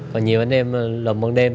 còn nhiều anh em lộn bằng đêm